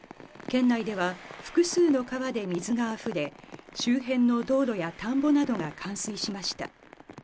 県内では複数の川で水があふれ、周辺の道路や田んぼなどが冠水しました。